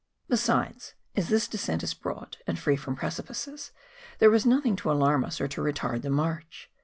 Besides, as this descent is broad, and free from pre¬ cipices, there was nothing to alarm us or to retard the march.